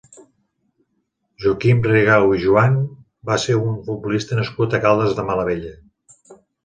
Joaquim Rigau i Juan va ser un futbolista nascut a Caldes de Malavella.